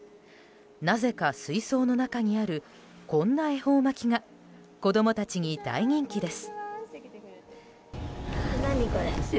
なぜか水槽の中にあるこんな恵方巻きが子供たちに大人気です。